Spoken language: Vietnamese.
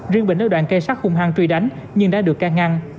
riêng bình ở đoạn cây sắt hung hăng truy đánh nhưng đã được ca ngăn